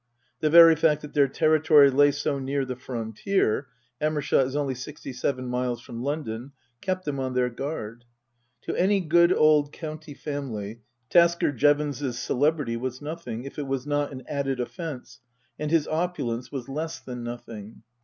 The very fact that their territory lay so near the frontier (Amershott is only sixty seven miles from London) kept them on their guard. To any good old county family, Tasker Jevons's celebrity was nothing, if it was not an added offence, and his opulence was less than nothing.